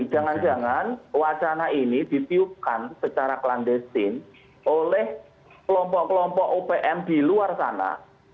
jangan jangan wacana ini ditiupkan secara klandestin oleh kelompok kelompok opm di luar sana